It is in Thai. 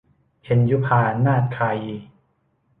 เพ็ญยุภา นาฏคายี